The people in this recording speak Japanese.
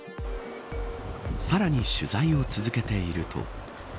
さらに取材を続けていると。